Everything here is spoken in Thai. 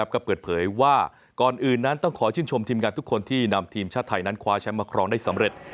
ก็เปิดเผยว่าก่อนอื่นนั้นต้องขอชื่นชมทีมงานทุกคนที่นำทีมชาติไทยนั้นคว้าแชมป์มาครองได้สำเร็จ